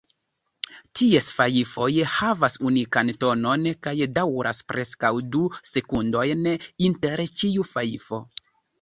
Ties fajfoj havas unikan tonon kaj daŭras preskaŭ du sekundojn inter ĉiu fajfo.